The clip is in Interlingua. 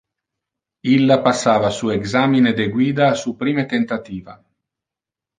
Illa passava su examine de guida a su prime tentativa.